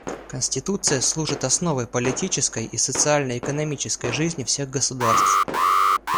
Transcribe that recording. Конституция служит основой политической и социально-экономической жизни всех государств.